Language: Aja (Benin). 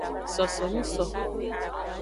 Sosomiso.